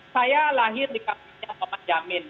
saya lahir di kabinet